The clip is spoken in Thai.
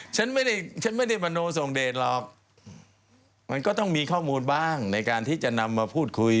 ฉันไม่ได้ฉันไม่ได้มโนทรงเดชหรอกมันก็ต้องมีข้อมูลบ้างในการที่จะนำมาพูดคุย